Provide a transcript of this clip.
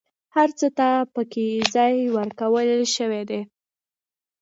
هر څه ته پکې ځای ورکول شوی دی.